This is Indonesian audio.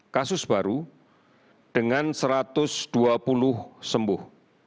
kasus baru dengan satu ratus dua puluh sembuh